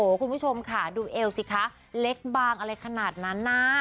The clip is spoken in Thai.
คุณผู้ชมค่ะดูเอวสิคะเล็กบางอะไรขนาดนั้นนะ